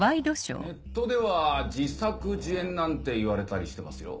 ネットでは「自作自演」なんて言われたりしてますよ。